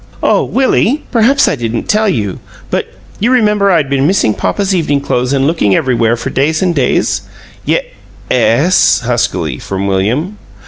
"Oh, Willie, perhaps I didn't tell you, but you remember I'd been missing papa's evening clothes and looking everywhere for days and days?" "Ye es," huskily from William.